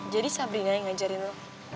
jadi sabrina yang ngajarin lu